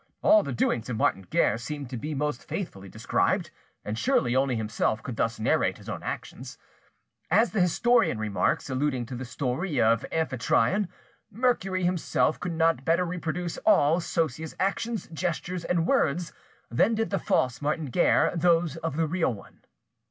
All the doings of Martin Guerre seemed to be most faithfully described, and surely only himself could thus narrate his own actions. As the historian remarks, alluding to the story of Amphitryon, Mercury himself could not better reproduce all Sosia's actions, gestures, and words, than did the false Martin Guerre those of the real one.